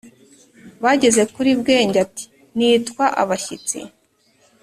bageze kuri bwenge ati "nitwa abashyitsi.